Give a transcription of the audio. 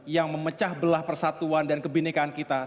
yang memecah belah persatuan dan kebenekaan kita